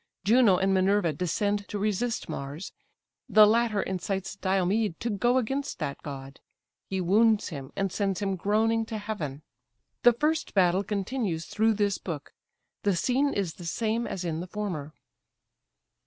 Juno and Minerva descend to resist Mars; the latter incites Diomed to go against that god; he wounds him, and sends him groaning to heaven. The first battle continues through this book. The scene is the same as in the former.